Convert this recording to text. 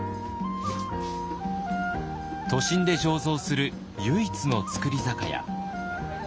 都心で醸造する唯一の造り酒屋。